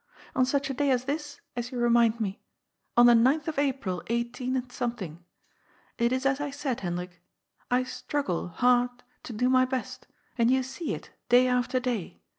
On such a day as this, as you remind me. On the ninth of April, 18 —. It is as I said, Hendrik. I struggle — hard — to do my best, and you see it, day after day.